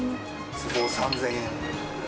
坪３０００円。